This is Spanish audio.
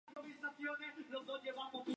Ovario ínfero.